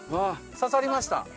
刺さりました。